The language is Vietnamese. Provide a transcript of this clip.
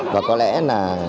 và có lẽ là